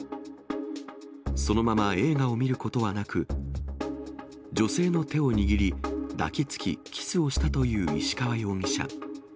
そのまま映画を見ることはなく、女性の手を握り、抱きつき、キスをしたという石川容疑者。